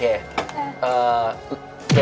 เออ